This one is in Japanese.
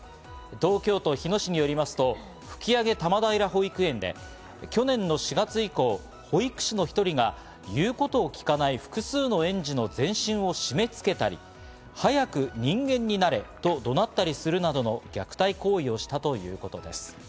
東京都日野市によりますと、吹上多摩平保育園で去年の４月以降、保育士の１人が言うことを聞かない複数の園児の全身を締め付けたり、「早く人間になれ」と怒鳴ったりするなどの虐待行為をしたということです。